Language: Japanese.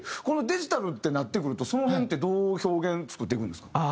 このデジタルってなってくるとその辺ってどう表現作っていくんですか？